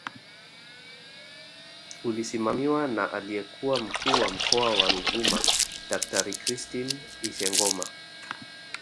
Ulisimamiwa na aliyekuwa Mkuu wa Mkoa wa Ruvuma Daktari Christine Ishengoma